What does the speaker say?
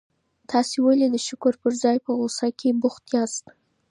تاسي ولي د شکر پر ځای په غوسه کي بوخت یاست؟